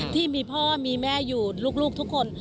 ที่มีพ่อมีแม่อยู่ลูกทุกคน